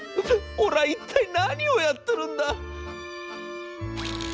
俺は一体何をやってるんだ』」。